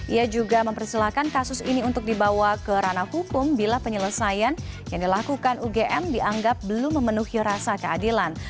ia juga mempersilahkan kasus ini untuk dibawa ke ranah hukum bila penyelesaian yang dilakukan ugm dianggap belum memenuhi rasa keadilan